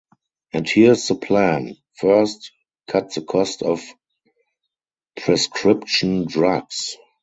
And here’s the plan: First – cut the cost of prescription drugs.